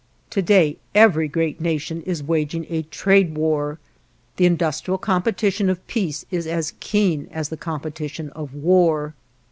To day every great nation is waging a trade war. The industrial competition of peace is as keen as the competition of war.